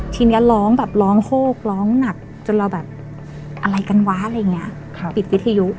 ทีนี้ร้องแบบร้องโฮกร้องหนักจนเราแบบอะไรกันวะปิดวิทยุ